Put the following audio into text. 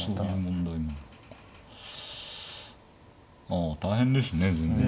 ああ大変ですね